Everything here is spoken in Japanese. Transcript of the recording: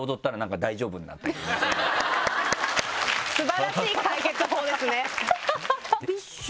素晴らしい解決法ですね。